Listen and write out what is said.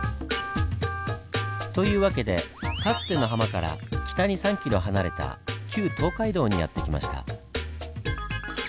というわけでかつてのハマから北に３キロ離れた旧東海道にやって来ました。